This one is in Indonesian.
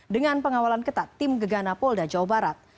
dengan pengawalan ketat tim gegana polda jawa barat